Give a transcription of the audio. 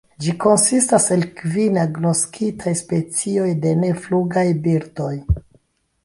Ĝi konsistas el kvin agnoskitaj specioj de neflugaj birdoj.